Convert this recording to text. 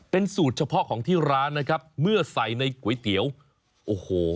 เป็นสูตรเฉพาะของที่ร้านนะครับเมื่อใส่ในก๋วยเตี๋ยวโอ้โห